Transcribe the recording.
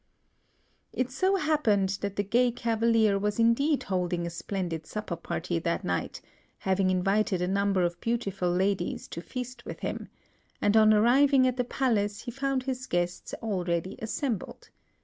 It so happened that the gay cavalier was indeed holding a splendid supper party that night, having invited a number of beautiful ladies to feast with him; and on arriving at the palace, he found his guests already assembled.